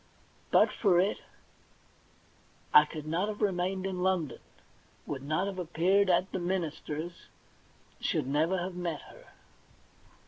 But for it I could not have remained in London, would not have appeared at the minister's, never should have met her.